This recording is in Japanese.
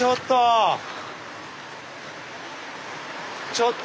ちょっと！